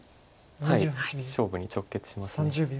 はい勝負に直結します。